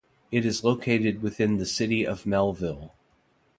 It is located within the City of Melville.